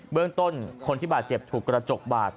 เรื่องต้นคนที่บาดเจ็บถูกกระจกบาด